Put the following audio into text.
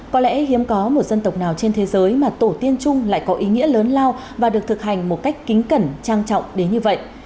có lẽ hiếm có một dân tộc nào trên thế giới mà tổ tiên chung lại có ý nghĩa lớn lao và được thực hành một cách kính cẩn trang trọng đến như vậy